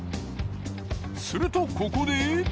するとここで。